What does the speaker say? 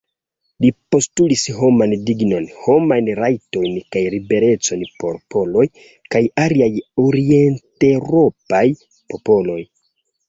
Li postulis homan dignon, homajn rajtojn kaj liberecon por poloj kaj aliaj orienteŭropaj popoloj.